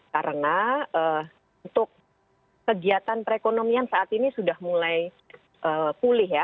karena untuk kegiatan perekonomian saat ini sudah mulai pulih ya